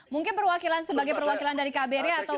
mungkin perwakilan sebagai perwakilan dari kbri atau